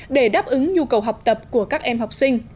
để đáp ứng nhu cầu học tập của các em học sinh